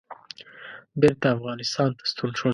بېرته افغانستان ته ستون شوم.